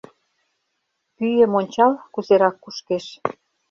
Пӱем ончал, кузерак кушкеш?